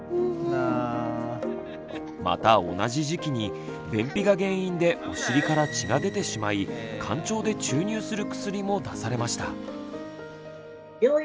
また同じ時期に便秘が原因でお尻から血が出てしまいかん腸で注入する薬も出されました。